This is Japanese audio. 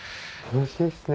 楽しいっすね。